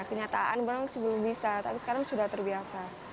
kenyataan belum bisa tapi sekarang sudah terbiasa